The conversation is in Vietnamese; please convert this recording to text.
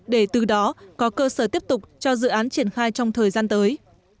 để từ đó có cơ sở tiếp tục cho dự án triển khai trong thời gian tới